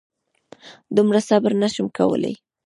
دومره صبر نه شم کولی.